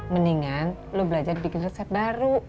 mendingan lo belajar bikin resep baru